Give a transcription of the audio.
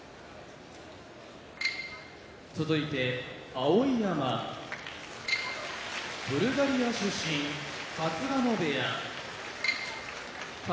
碧山ブルガリア出身春日野部屋宝